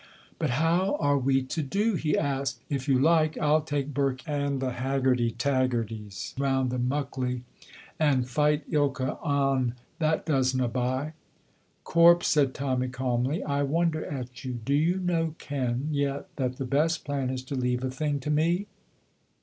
"But how are we to do?" he asked. "If you like, I'll take Birkie and the Haggerty Taggertys round the Muckley and fight ilka ane that doesna buy " "Corp," said Tommy, calmly, "I wonder at you. Do you no ken yet that the best plan is to leave a thing to me?"